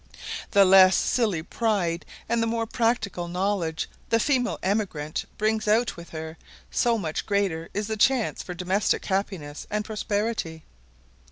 The less silly pride and the more practical knowledge the female emigrant brings out with her, so much greater is the chance for domestic happiness and prosperity.